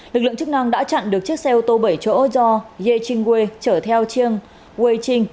lực lượng chức năng đã chặn được chiếc xe ô tô bảy chỗ do ye ching wei chở theo chiang wei ching